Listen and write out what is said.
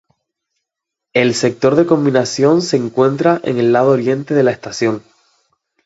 El sector de combinación se encuentra en el lado oriente de la estación.